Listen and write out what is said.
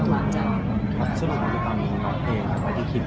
เราจะตามน้องเป๊กอะไรที่คิด